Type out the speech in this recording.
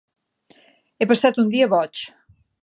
He passat un dia boig.